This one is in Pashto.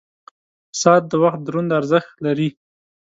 • ساعت د وخت دروند ارزښت لري.